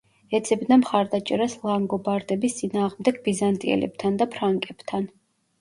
ეძებდა მხარდაჭერას ლანგობარდების წინააღმდეგ ბიზანტიელებთან და ფრანკებთან.